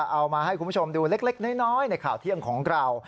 เอามาให้คุณผู้ชมดูเล็กน้อยในข่าวเที่ยงของเรา